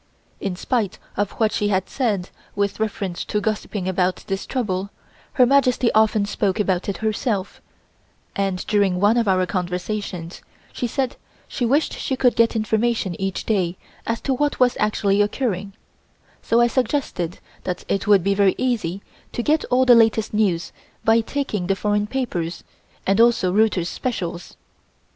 In spite of what she had said with reference to gossiping about this trouble, Her Majesty often spoke about it herself, and during one of our conversations she said she wished she could get information each day as to what was actually occurring, so I suggested that it would be very easy to get all the latest news by taking the foreign papers and also Reuter's specials.